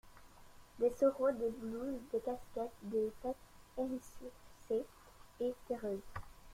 Des sarraus, des blouses, des casquettes, des têtes hérissées et terreuses.